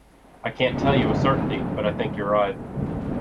I can't tell you with certainty but I think you're right.